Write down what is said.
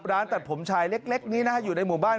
ร้านตัดผมชายเล็กนี้นะฮะอยู่ในหมู่บ้าน